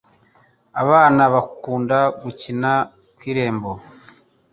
abana bakunda gukinira kw'irembo